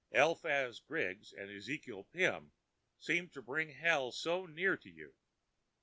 Eliphaz Griggs and Ezekiel Pim seemed to bring Hell so near to you.